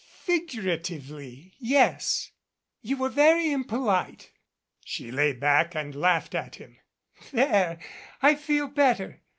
"Er figuratively, yes. You were very impolite." She lay back and laughed at him. "There I feel better.